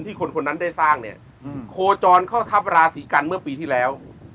คนคนนั้นได้สร้างเนี่ยโคจรเข้าทัพราศีกันเมื่อปีที่แล้ว